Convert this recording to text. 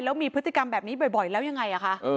แล้วมีพฤติกรรมแบบนี้บ่อยแล้วยังไงคะ